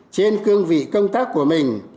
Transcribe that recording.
trên cương vị công tác của mình